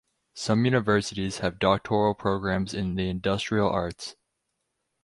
Some universities have doctoral programs in the Industrial Arts.